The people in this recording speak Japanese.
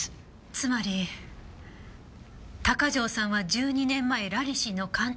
つまり鷹城さんは１２年前ラニシンの鑑定をしていた。